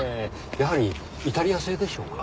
やはりイタリア製でしょうか？